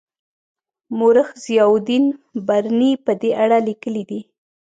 مورخ ضیاالدین برني په دې اړه لیکلي دي.